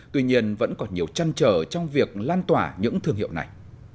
tuy nhiên vẫn còn nhiều chăn trở trong việc lan tỏa những thương hiệu này